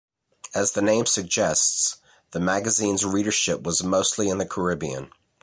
As the name suggests, the magazine's readership was mostly in the Caribbean.